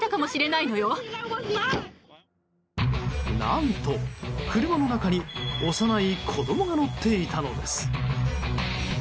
何と車の中に幼い子供が乗っていたのです。